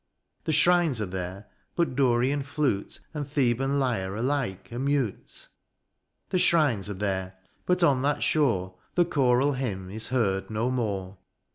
The shrines are there, but Dorian flute And Theban lyre alike are mute. The shrines are there, but on that shore The choral hymn is heard no more.